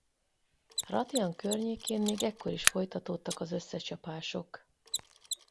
Ratian környékén még ekkor is folytatódtak az összecsapások.